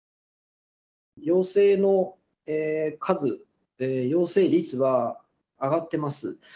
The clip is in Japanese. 陽性の数、陽性率は上がってます。